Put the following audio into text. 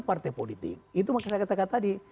partai politik itu maksud saya ketika tadi